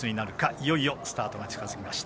いよいよスタートが近づきました。